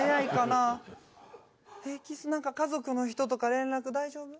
なんか家族の人とか連絡大丈夫？